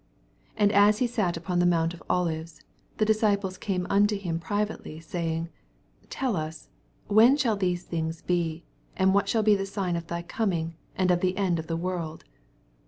8 And as he sat upon the mount of Olives, the disciples came unto him privately, saying, Tell us, when shall these things be, and what shall be the sign of thy coming, and of the end of the world